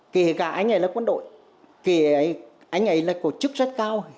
kể cả anh ấy là quân đội kể anh ấy là cổ chức rất cao